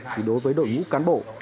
thì đối với đội ngũ cán bộ